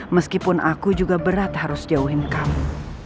meskipun aku juga berat harus jauhin kamu